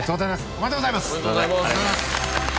ありがとうございます。